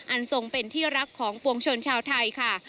ทรงเป็นที่รักของปวงชนชาวไทยค่ะ